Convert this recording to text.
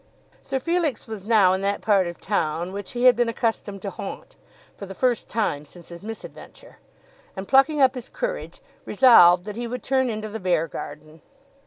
Sir Felix was now in that part of town which he had been accustomed to haunt, for the first time since his misadventure, and, plucking up his courage, resolved that he would turn into the Beargarden.